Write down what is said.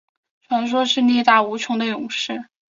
传说是力大无穷的勇士。